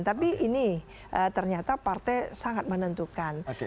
tapi ini ternyata partai sangat menentukan